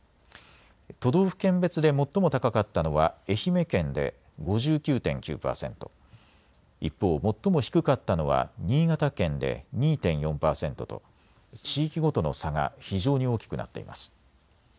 都道府県別で最も高かったのは愛媛県で５９．９％、一方、最も低かったのたのは新潟県で２．４％と地域ごとの差が非常に大きくなっています。